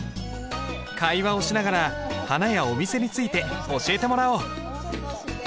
会話をしながら花やお店について教えてもらおう。